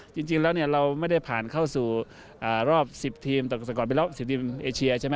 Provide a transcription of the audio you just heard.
จริงแล้วเราไม่ได้ผ่านเข้าสู่รอบ๑๐ทีม